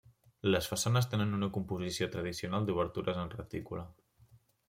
Les façanes tenen una composició tradicional d'obertures en retícula.